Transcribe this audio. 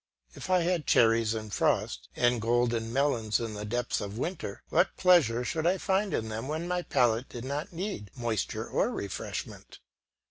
If I had cherries in frost, and golden melons in the depths of winter, what pleasure should I find in them when my palate did not need moisture or refreshment.